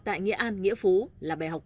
tại nghệ an nghĩa phú là bài học